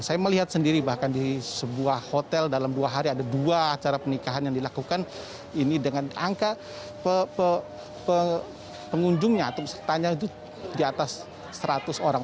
saya melihat sendiri bahkan di sebuah hotel dalam dua hari ada dua acara pernikahan yang dilakukan ini dengan angka pengunjungnya atau pesertanya itu di atas seratus orang